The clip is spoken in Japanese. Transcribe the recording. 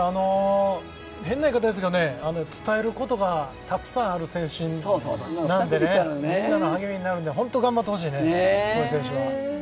変な言い方ですけど、伝えることがたくさんある選手なのでみんなの励みになるので、本当に頑張ってほしいですね、こういう選手は。